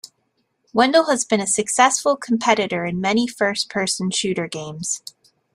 Wendel has been a successful competitor in many first-person shooter games.